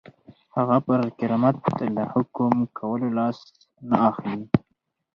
هغه پر کرامت له حکم کولو لاس نه اخلي.